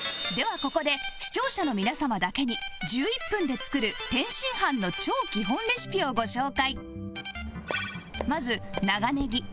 ここで視聴者の皆様だけに１１分で作る天津飯の超基本レシピをご紹介